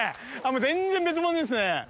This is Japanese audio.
全然別物ですね。